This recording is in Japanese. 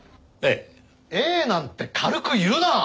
「ええ」なんて軽く言うな！